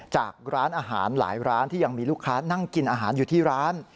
จากร้านอาหารหลายร้านที่ยังมีลูกค้านั่งกินอาหารอยู่ที่ร้าน